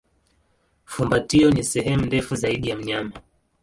Fumbatio ni sehemu ndefu zaidi ya mnyama.